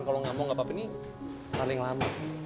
kalau nggak mau nggak apa apa nih paling lama